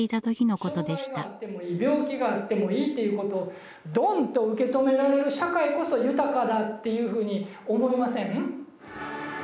病気があってもいいっていうことをドンと受け止められる社会こそ豊かだっていうふうに思いません？